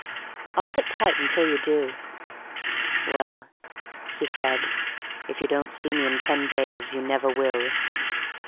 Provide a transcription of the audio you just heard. "I'll sit tight until you do." "Well," he said, "if you don't see me in ten days you never will."